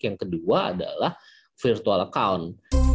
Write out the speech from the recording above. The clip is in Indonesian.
yang kedua adalah virtual account